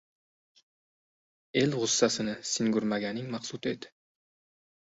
El g‘ussasini singurmaging maqsud et